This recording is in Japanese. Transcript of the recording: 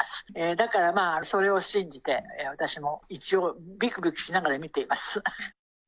だからまあ、それを信じて、私も一応、びくびくしながら見ています。